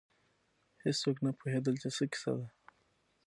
هېڅوک نه پوهېدل چې څه کیسه ده.